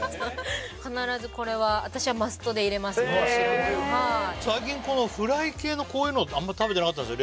必ずこれは私は最近このフライ系のこういうのあんま食べてなかったんです